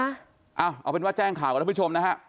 เอาเอาเป็นว่าแจ้งข่าวนะครับผู้ชมนะฮะ